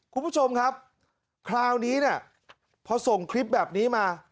คุณผู้ชมครับคราวนี้เนี่ยพอส่งคลิปแบบนี้มา